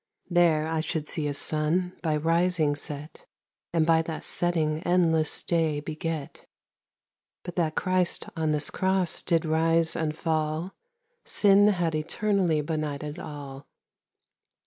There I should see a Sunne, by rising set, And by that setting endlesse day beget; But that Christ on this Crosse, did rise and fall, Sinne had eternally benighted all.